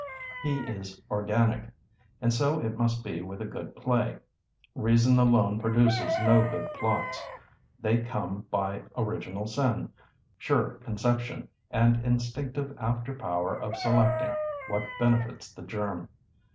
He is organic. And so it must be with a good play. Reason alone produces no good plots; they come by original sin, sure conception, and instinctive after power of selecting what benefits the germ.